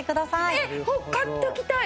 えっ買っておきたい。